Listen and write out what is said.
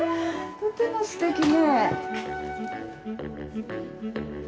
とてもすてきね。